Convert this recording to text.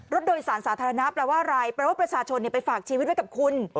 รถโดยสารสาธารณะแปลว่าอะไรแปลว่าประชาชนไปฝากชีวิตไว้กับคุณ